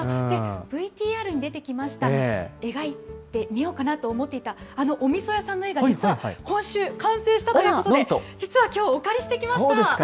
ＶＴＲに出てきました、描いてみようかなと思っていたあのおみそ屋さんの絵が、実は今週完成したということで、実はきょう、お借そうですか。